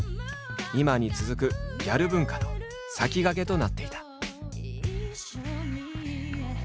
今に続くギャル文化の先駆けとなっていた。